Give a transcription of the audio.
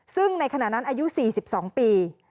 ซึ่งในขณะนั้นอายุ๔๒ปี